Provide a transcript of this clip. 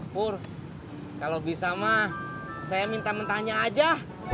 pur kalau bisa mah saya minta mentanya aja